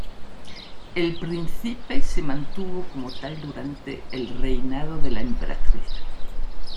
El príncipe se mantuvo como tal durante el reinado de la emperatriz.